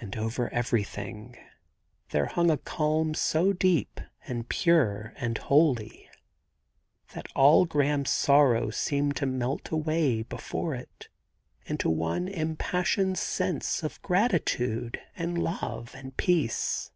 And over everything there hung a calm so deep, and pure, and holy, that all Graham's sorrow seemed to melt away before it into one impassioned sense of gratitude, and love, and peace.